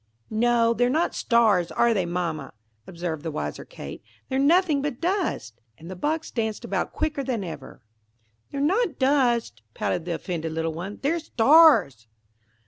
"No, they're not stars,–are they, Mamma?" observed the wiser Kate: "they're nothing but dust;"–and the box danced about quicker than ever. "They're not dust," pouted the offended little one: "they're stars!"